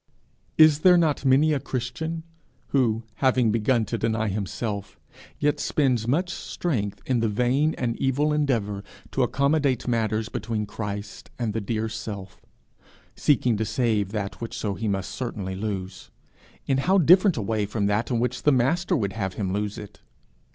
Is there not many a Christian who, having begun to deny himself, yet spends much strength in the vain and evil endeavour to accommodate matters between Christ and the dear Self seeking to save that which so he must certainly lose in how different a way from that in which the Master would have him lose it!